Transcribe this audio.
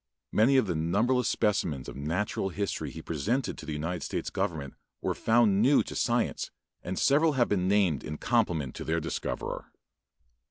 Many of the numberless specimens of natural history he presented to the United States government were found new to science and several have been named in compliment to their discoverer.